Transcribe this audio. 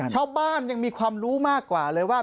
ชาวบ้านยังมีความรู้มากกว่าเลยว่า